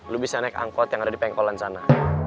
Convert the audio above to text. lo bisa naik angkot yang ada di pengkolan sana